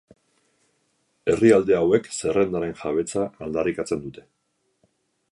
Herrialde hauek zerrendaren jabetza aldarrikatzen dute.